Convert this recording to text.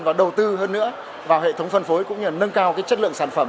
và đầu tư hơn nữa vào hệ thống phân phối cũng như nâng cao chất lượng sản phẩm